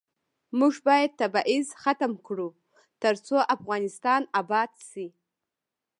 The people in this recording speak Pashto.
موږ باید تبعیض ختم کړو ، ترڅو افغانستان اباد شي.